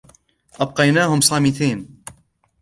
أبقيناهم صامتين.